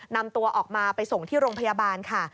นำตัวออกมาไปส่งที่โรงพยาบาลค่ะ